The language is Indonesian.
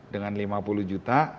dengan lima puluh juta